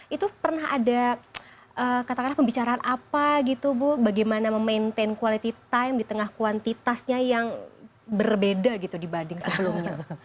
itu pernah ada katakanlah pembicaraan apa gitu bu bagaimana memaintain quality time di tengah kuantitasnya yang berbeda gitu dibanding sebelumnya